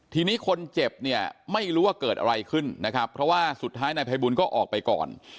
ทีนี้คนเจ็บเนี่ยไม่รู้ว่าเกิดอะไรขึ้นนะครับเพราะว่าสุดท้ายนายภัยบุญก็ออกไปก่อน